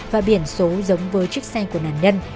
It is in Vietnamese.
và biển số giống với chiếc xe của nạn nhân